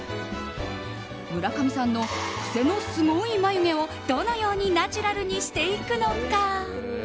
村上さんの癖のすごい眉毛をどのようにナチュラルにしていくのか。